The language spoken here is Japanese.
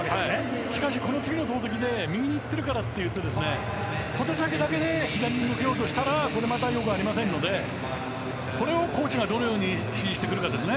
しかし、この次の投てきで右にいってるからといって肩先だけで左に向けようとしたらこれまた良くありませんのでこれをコーチがどう指示していくかですね。